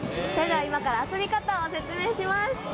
今から遊び方を紹介します。